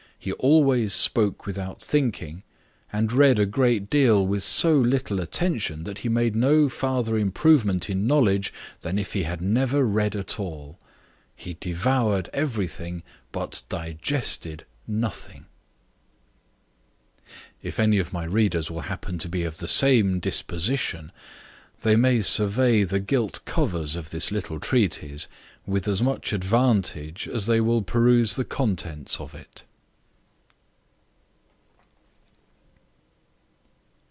He always spoke without thinking, and read a great deal with so little attention, that he made no farther improvement in knowledge than if he had never read at all. He devoured every thing, but digested nothing." If any of my readers happen to be of the same disposition, they may survey the gilt covers of this little treatise with as much advantage as they will peruse the contents of it.